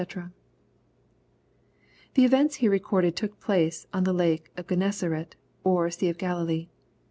] The events here recorded took place on the lake of Gennesaret^ or sea of Galilee.